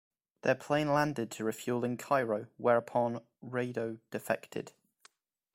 Their plane landed to refuel in Cairo, whereupon Rado defected.